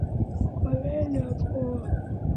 Kwaw'eenda mboa.